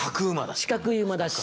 四角い馬出し。